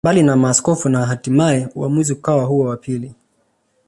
Mbali na maaskofu na hatimae uamuzi ukawa huo wa pili